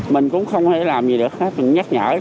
mình cũng không thể làm gì được hết nhắc nhở